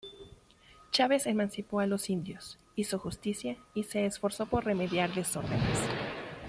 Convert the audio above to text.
Chaves emancipó a los indios; hizo justicia, y se esforzó por remediar desórdenes.